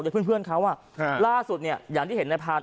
เดี๋ยวเพื่อนเพื่อนเขาอ่ะครับล่าสุดเนี้ยอย่างที่เห็นในภารณ์